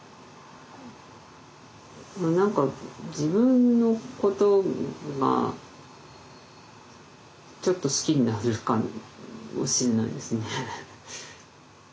何か自分のことがちょっと好きになるかもしんないですね。